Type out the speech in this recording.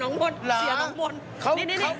น้องมนต์เสียน้องมนต์นี่เหรอ